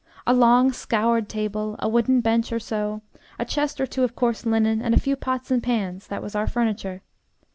A long, scoured table, a wooden bench or so, a chest or two of coarse linen, and a few pots and pans that was our furniture.